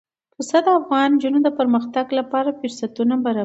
پسه د افغان نجونو د پرمختګ لپاره فرصتونه برابروي.